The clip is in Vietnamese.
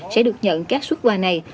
sẽ được nhận các suất quà này